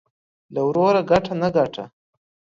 له وروره گټه ، نه گټه.